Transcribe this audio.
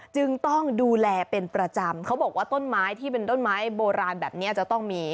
จึงต้องดูแลเป็นประจำเขาบอกว่าต้นไม้ที่เป็นต้นไม้โบราณแบบนี้จะต้องมี